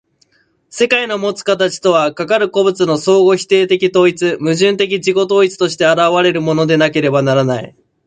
世界のもつ形とは、かかる個物の相互否定的統一、矛盾的自己同一として現れるものでなければならない。